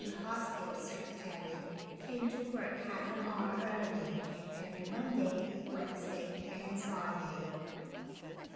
Hoskins' secretary, came to work half an hour early every Monday, Wednesday, and Friday.